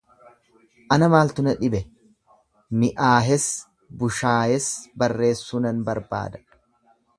Ana maaltu na dhibe? Mi'aahes bushaayes barreessuu nan barbaada.